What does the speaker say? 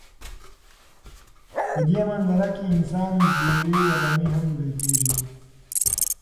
په دې منظره کې انسان جوړې ودانۍ هم لیدل کېږي.